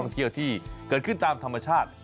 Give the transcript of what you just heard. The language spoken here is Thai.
เกิดขึ้นตามธรรมชาติ